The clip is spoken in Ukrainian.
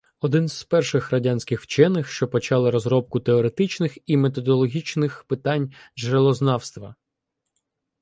Один з перших радянських вчених, що почали розробку теоретичних і методологічних питань джерелознавства.